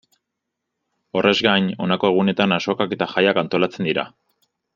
Horrez gain, honako egunetan azokak eta jaiak antolatzen dira.